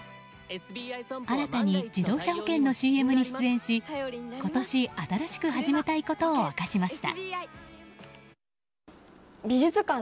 新たに自動車保険のＣＭに出演し今年、新しく始めたいことを明かしました。